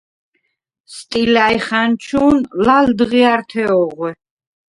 სტილა̈ჲხა̈ნჩუ̄ნ ლა̈ლდღია̈რთე ოღვე.